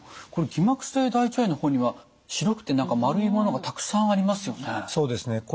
これ偽膜性大腸炎の方には白くて何か丸いものがたくさんありますよね。